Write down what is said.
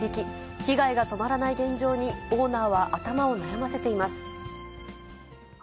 被害が止まらない現状に、オーナーは頭を悩ませています。